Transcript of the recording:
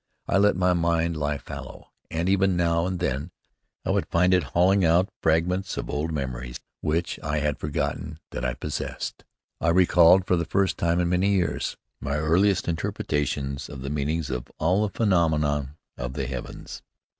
I let my mind lie fallow, and every now and then I would find it hauling out fragments of old memories which I had forgotten that I possessed. I recalled, for the first time in many years, my earliest interpretations of the meanings of all the phenomena of the heavens.